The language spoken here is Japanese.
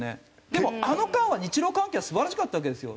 でもあの間は日露関係は素晴らしかったわけですよ。